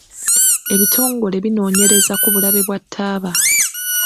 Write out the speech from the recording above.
Ebitongole binoonyereza ku bulabe bwa taaba.